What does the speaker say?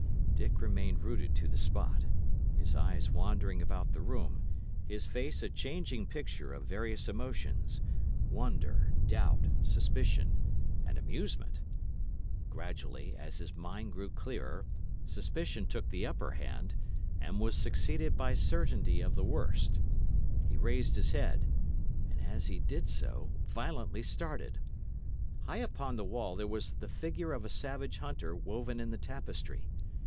Dick remained rooted to the spot, his eyes wandering about the room, his face a changing picture of various emotions, wonder, doubt, suspicion, and amusement. Gradually, as his mind grew clearer, suspicion took the upper hand, and was succeeded by certainty of the worst. He raised his head, and, as he did so, violently started. High upon the wall there was the figure of a savage hunter woven in the tapestry.